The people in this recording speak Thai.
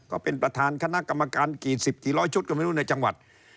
ก็เป็นประธานคณะกรรมการกี่สิบกี่ร้อยชุดก็ไม่รู้ในจังหวัด